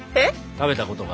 食べたことが。